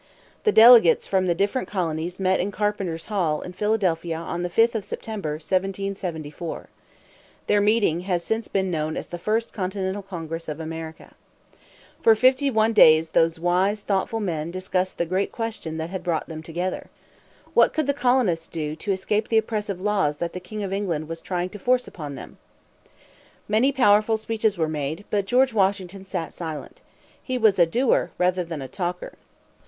The delegates from the different colonies met in Carpenter's Hall, in Philadelphia, on the 5th of September, 1774. Their meeting has since been known as the First Continental Congress of America. For fifty one days those wise, thoughtful men discussed the great question that had brought them together. What could the colonists do to escape the oppressive laws that the King of England was trying to force upon them? Many powerful speeches were made, but George Washington sat silent. He was a doer rather than a talker.